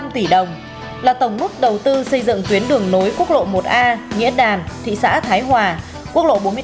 tám trăm năm mươi năm tỷ đồng là tổng mức đầu tư xây dựng tuyến đường nối quốc lộ một a nghĩa đàn thị xã thái hòa quốc lộ bốn mươi tám d tỉnh nghệ an